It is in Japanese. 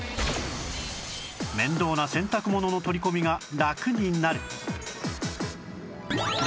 面倒な洗濯物の取り込みがラクになる